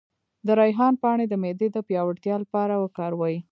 د ریحان پاڼې د معدې د پیاوړتیا لپاره وکاروئ